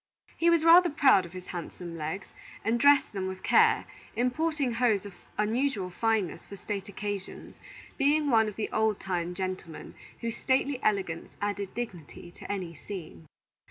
He was rather proud of his handsome legs, and dressed them with care, importing hose of unusual fineness for state occasions; being one of the old time gentlemen whose stately elegance added dignity to any scene.